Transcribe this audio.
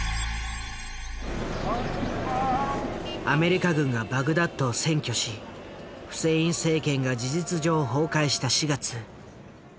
アメリカ軍がバグダッドを占拠しフセイン政権が事実上崩壊した４月。